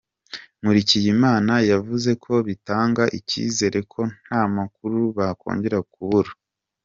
Nkurikiyimana yavuze ko bitanga icyizere ko nta makuru bakongera kubura.